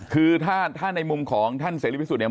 คือถ้าในมุมของท่านเศรษฐศิลปิสุทธิ์เนี่ย